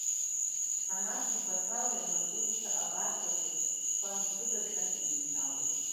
Ҭанаси Баҭали амаҵурҭа абарҵаҿы ршьапқәа нкыдырҟьан, иныҩналеит.